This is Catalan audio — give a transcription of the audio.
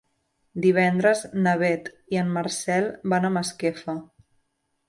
Divendres na Beth i en Marcel van a Masquefa.